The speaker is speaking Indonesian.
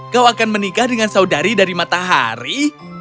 kau akan menikah dengan saudari dari matahari